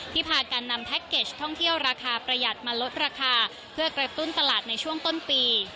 พากันนำแพ็คเกจท่องเที่ยวราคาประหยัดมาลดราคาเพื่อกระตุ้นตลาดในช่วงต้นปี